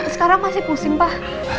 sekarang masih pusing pak